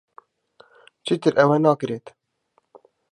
چیتر ئەوە ناکرێت.